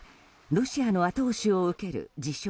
ロシアの後押しを受ける自称